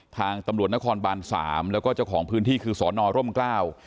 ทางตำรวจนครบานสามแล้วก็เจ้าของพื้นที่คือสอนอร่มกล้า